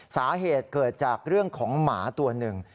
สาเหตุเกิดจากเรื่องของหมาตัวหนึ่ง